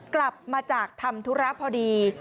กลับมาจากทำธุระพอดี